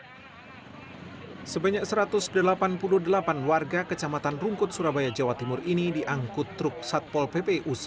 hai sebanyak satu ratus delapan puluh delapan warga kecamatan rungkut surabaya jawa timur ini diangkut truk satpol ppus